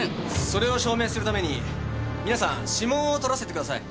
それを証明するために皆さん指紋をとらせてください。